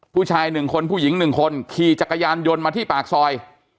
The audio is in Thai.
ผู้ชาย๑คนผู้หญิง๑คนขี่จักรยานยนต์มาที่ปากซอย